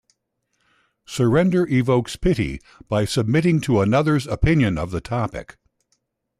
Surrender evokes pity by submitting to another's opinion on the topic.